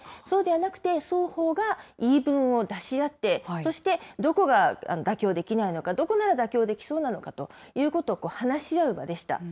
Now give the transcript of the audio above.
そうではなくて、双方が言い分を出し合って、そしてどこが妥協できないのか、どこなら妥協できそうなのかということを話し合う場でした。